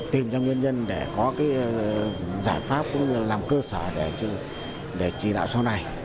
tìm ra nguyên nhân để có giải pháp làm cơ sở để trì đạo sau này